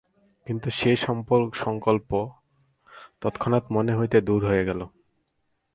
কিন্তু সে সঙ্কল্প তৎক্ষণাৎ মন হইতে দূর হইয়া গেল।